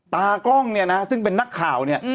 ตากล้องเนี่ยนะซึ่งเป็นนักข่าวเนี่ย